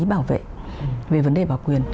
bảo vệ về vấn đề bảo quyền